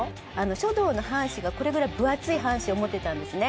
書道の半紙がこれぐらい分厚い半紙を持ってたんですね。